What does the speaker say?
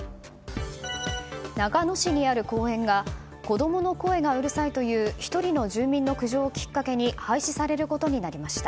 長野市にある公園が子供の声がうるさいという１人の住民の苦情をきっかけに廃止されることになりました。